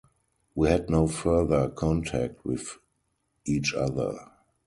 We had no further contact with each other.